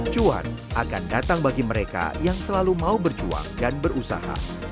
cuan akan datang bagi mereka yang selalu mau berjuang dan berusaha